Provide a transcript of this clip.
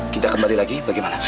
kita kembali lagi bagaimana